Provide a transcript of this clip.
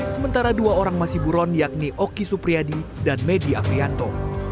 sementara dua orang masih buron yakni oki supriyadi dan medi afrianto